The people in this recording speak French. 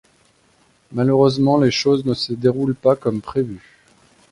Malheureusement, les choses ne se déroulent pas comme prévu.